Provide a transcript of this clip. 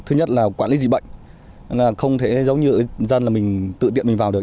thứ nhất là quản lý dị bệnh không thể giống như dân tự tiện mình vào được